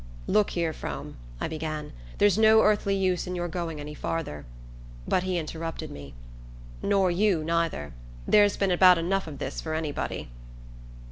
"Look here, Frome," I began, "there's no earthly use in your going any farther " but he interrupted me: "Nor you neither. There's been about enough of this for anybody."